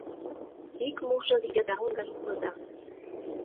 Ик мужыр йыдал гай улыда.